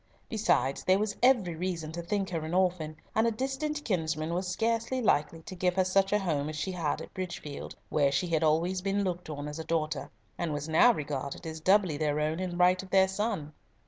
Besides, there was every reason to think her an orphan, and a distant kinsman was scarcely likely to give her such a home as she had at Bridgefield, where she had always been looked on as a daughter, and was now regarded as doubly their own in right of their son.